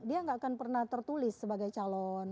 dia nggak akan pernah tertulis sebagai calon